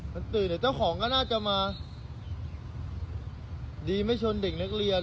มันตื่นเดี๋ยวเจ้าของก็น่าจะมาดีไม่ชนเด็กนักเรียน